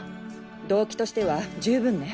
動機としては十分ね。